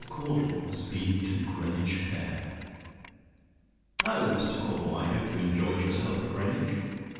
CAUDLE HAS BEEN TO GREENWICH FAIR "Ho, Mr. Caudle: I hope you enjoyed yourself at Greenwich.